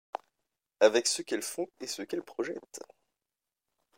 Avec ce qu’elles font et ce qu’elles projettent